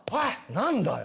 何だよ？